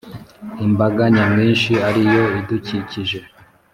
Imbaga nyamwinshi ariyo idukikije